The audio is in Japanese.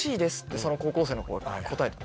その高校生の子が答えた。